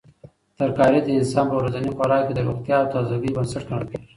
ترکاري د انسان په ورځني خوراک کې د روغتیا او تازګۍ بنسټ ګڼل کیږي.